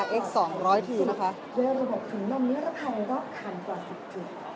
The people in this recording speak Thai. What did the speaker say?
เยอระบบถึงลำเนื้อระภัยรอบขันกว่า๑๐จุด